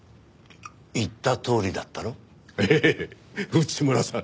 内村さん